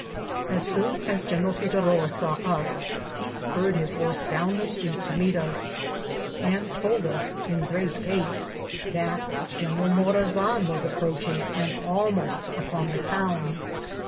As soon as General Figoroa saw us, he spurred his horse down the street to meet us, and told us, in great haste, that General Morazan was approaehing and almost upon the town.